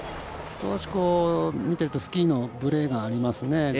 少し、見ているとスキーのブレがありますね。